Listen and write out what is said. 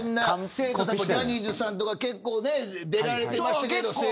ジャニーズさんとか結構出られてました生徒役で。